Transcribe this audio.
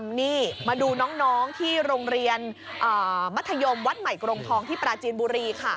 นี่มาดูน้องที่โรงเรียนมัธยมวัดใหม่กรงทองที่ปราจีนบุรีค่ะ